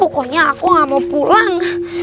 pokoknya aku gak mau pulang